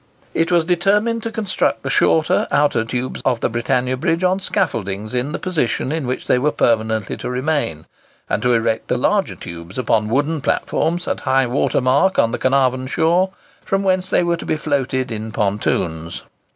It was determined to construct the shorter outer tubes of the Britannia Bridge on scaffoldings in the positions in which they were permanently to remain, and to erect the larger tubes upon wooden platforms at high water mark on the Caernarvon shore, from whence they were to be floated in pontoons.